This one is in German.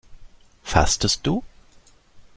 Fastest du?